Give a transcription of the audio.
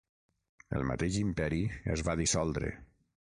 El mateix Imperi es va dissoldre.